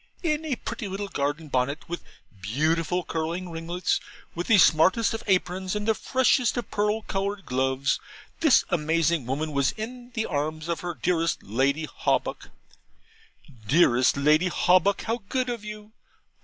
In a pretty little garden bonnet, with beautiful curling ringlets, with the smartest of aprons and the freshest of pearl coloured gloves, this amazing woman was in the arms of her dearest Lady Hawbuck. 'Dearest Lady Hawbuck, how good of you!